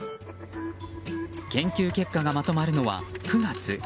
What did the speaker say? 研究結果がまとまるのは９月。